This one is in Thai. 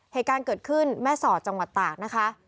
เหตุการณ์เกิดขึ้นแม่สอดจังหวัดตากนะคะ